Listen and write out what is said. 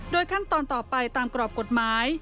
ขั้นตอนต่อไปตามกรอบกฎหมาย